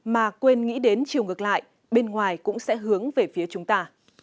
mà quên nghĩ đến chiều ngược lại bên ngoài cũng sẽ hướng về phía chúng ta